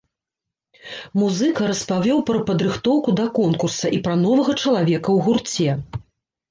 Музыка распавёў пра падрыхтоўку да конкурса і пра новага чалавека ў гурце.